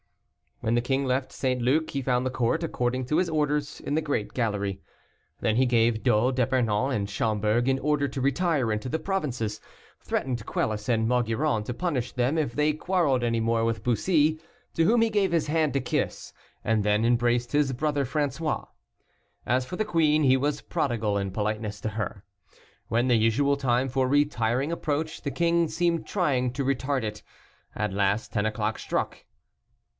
When the king left St. Luc, he found the court, according to his orders, in the great gallery. Then he gave D'O, D'Epernon and Schomberg an order to retire into the provinces, threatened Quelus and Maugiron to punish them if they quarreled anymore with Bussy, to whom he gave his hand to kiss, and then embraced his brother François. As for the queen, he was prodigal in politeness to her. When the usual time for retiring approached, the king seemed trying to retard it. At last ten o'clock struck.